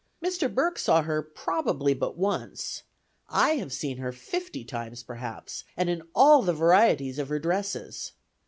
Mr. Burke saw her probably but once. I have seen her fifty times perhaps, and in all the varieties of her dresses.